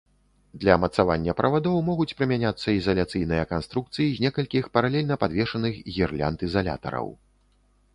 Для мацавання правадоў могуць прымяняцца ізаляцыйныя канструкцыі з некалькіх паралельна падвешаных гірлянд ізалятараў.